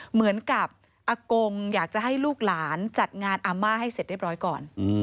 เหมือนกับอากงอยากจะให้ลูกหลานจัดงานอาม่าให้เสร็จเรียบร้อยก่อน